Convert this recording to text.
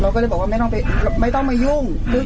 เราก็เลยบอกว่าไม่ต้องไปไม่ต้องมายุ่งอืม